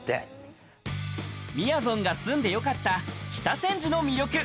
みやぞんが住んでよかった北千住の魅力。